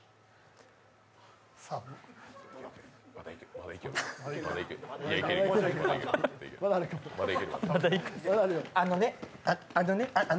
まだいけるよ。